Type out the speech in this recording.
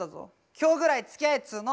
今日ぐらいつきあえっつうの。